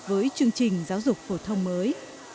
với chương trình giáo dục phổ thông mới